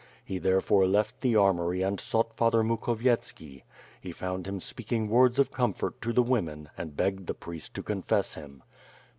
He therefore left the ar mory and sought Father Mukhovietski. He found Lim speaking words of comfort to the women and begged the priest to confess him.